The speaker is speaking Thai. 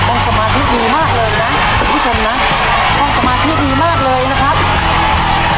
สมาธิดีมากเลยนะคุณผู้ชมนะต้องสมาธิดีมากเลยนะครับ